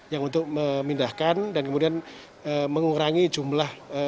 yang untuk memindahkan dan kemudian mengurangi jumlah